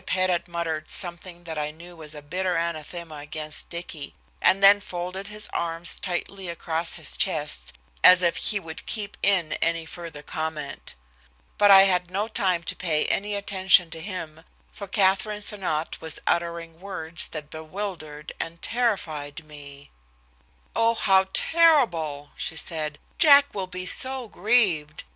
Pettit muttered something that I knew was a bitter anathema against Dicky, and then folded his arms tightly across his chest, as if he would keep in any further comment. But I had no time to pay any attention to him, for Katherine Sonnot was uttering words that bewildered and terrified me. "Oh! how terrible!" she said. "Jack will be so grieved.